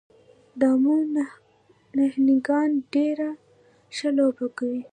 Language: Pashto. د امو نهنګان ډېره ښه لوبه کوي.